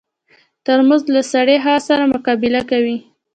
ترموز له سړې هوا سره مقابله کوي.